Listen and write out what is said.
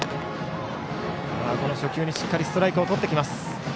この初球に、しっかりストライクをとっていきます。